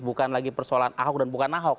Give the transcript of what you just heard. bukan lagi persoalan ahok dan bukan ahok